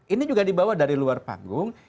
ini juga dibawa dari luar panggung